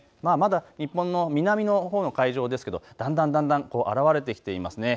まだ日本の南のほうの海上ですけれどもだんだん現れてきています。